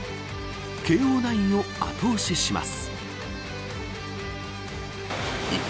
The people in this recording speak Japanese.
慶応ナインを後押しします。